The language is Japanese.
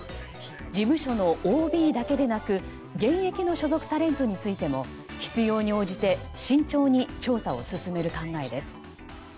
事務所のＯＢだけでなく現役の所属タレントについても必要に応じて慎重に調査を進める考えです。